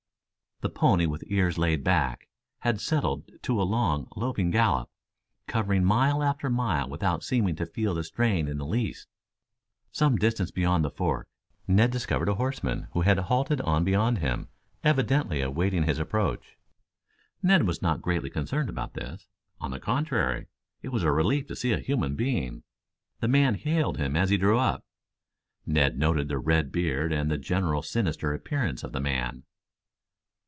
The pony with ears laid back had settled to a long, loping gallop, covering mile after mile without seeming to feel the strain in the least. Some distance beyond the Fork, Ned descried a horseman who had halted on beyond him, evidently awaiting his approach. Ned was not greatly concerned about this. On the contrary, it was a relief to see a human being. The man hailed him as he drew up. Ned noted the red beard and the general sinister appearance of the man.